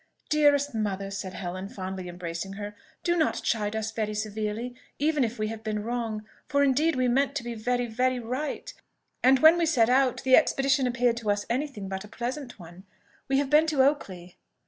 "Dearest mother!" said Helen, fondly embracing her, "do not chide us very severely, even if we have been wrong; for indeed we meant to be very, very right; and when we set out the expedition appeared to us anything but a pleasant one. We have been to Oakley."